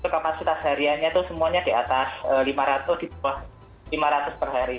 kapasitas hariannya itu semuanya di atas lima ratus di bawah lima ratus per hari